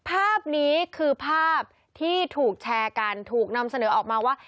ภาพนี้คือภาพที่ถูกแชร์กันถูกนำเสนอออกมาว่า